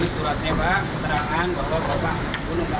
ini suratnya pak keterangan bahwa bapak bunuh